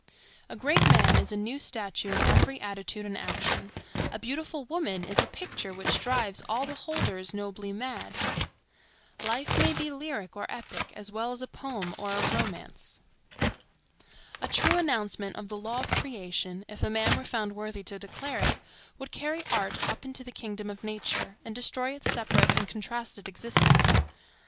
A great man is a new statue in every attitude and action. A beautiful woman is a picture which drives all beholders nobly mad. Life may be lyric or epic, as well as a poem or a romance. A true announcement of the law of creation, if a man were found worthy to declare it, would carry art up into the kingdom of nature, and destroy its separate and contrasted existence.